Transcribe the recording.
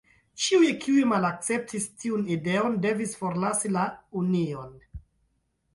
Ĉiuj kiuj malakceptis tiun ideon devis forlasi la union.